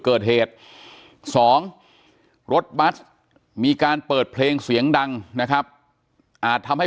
เกิดเหตุสองรถบัสมีการเปิดเพลงเสียงดังนะครับอาจทำให้